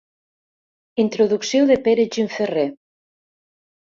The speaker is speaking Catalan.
Introducció de Pere Gimferrer.